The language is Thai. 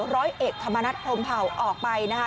ร้อยเอกธรรมนัฐพรมเผาออกไปนะคะ